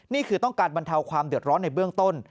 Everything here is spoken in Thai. นี่คือต้องการบรรเทาความเดือดร้อนในเบื้องต้น